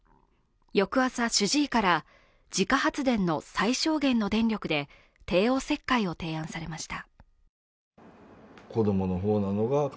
翌朝主治医から自家発電の最小限の電力で帝王切開を提案されました。